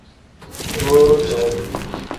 Booroo cowuu.